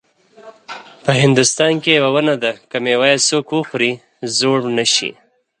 په هندوستان کې یوه ونه ده که میوه یې څوک وخوري زوړ نه شي.